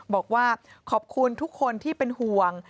บอกว่าขอบคุณทุกคนที่เป็นห่วง